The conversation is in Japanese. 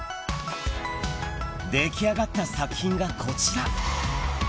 出来上がった作品がこちら。